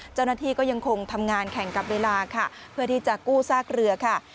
เจ้าหน้าที่ก็ยังคงทำงานแข่งกับเวลาค่ะเพื่อที่จะกู้ซากเรือค่ะ